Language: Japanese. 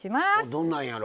どんなんやろ？